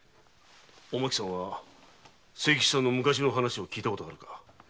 おまきさんは清吉さんの昔を聞いた事があるか？